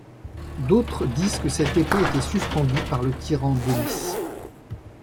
D'autres disent que cette épée était suspendue par le tyran Denys.